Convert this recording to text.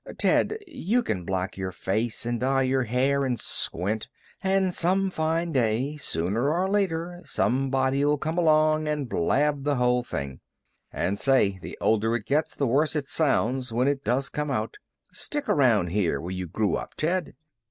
Ted, you can black your face, and dye your hair, and squint, and some fine day, sooner or later, somebody'll come along and blab the whole thing. And say, the older it gets the worse it sounds, when it does come out. Stick around here where you grew up, Ted."